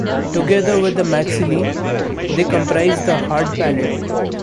Together with the maxillae they comprise the hard palate.